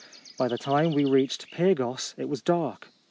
By the time we reached Pyrgos it was dark.